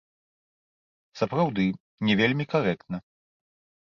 Сапраўды, не вельмі карэктна.